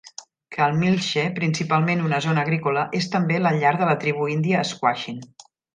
Kamilche, principalment una zona agrícola, és també la llar de la tribu índia Squaxin.